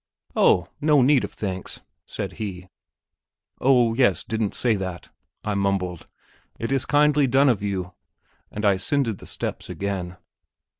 "Oh, no need of thanks," said he. "Oh yes; don't say that," I mumbled; "it is kindly done of you," and I ascended the steps again.